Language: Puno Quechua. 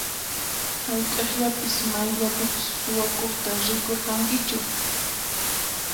Hayk'aqllapas mayllapipas suwakuqta rikurqankichu?